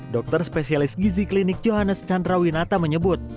dokter spesialis gizi klinik johannes chandrawinata menyebut